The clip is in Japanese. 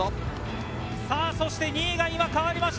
２位が今変わりました。